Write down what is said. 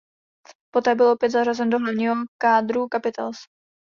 Poté byl opět zařazen do hlavního kádru Capitals.